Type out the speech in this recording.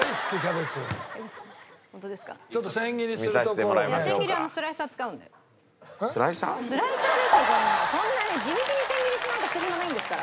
そんなね地道に千切りなんかしてる暇ないんですから。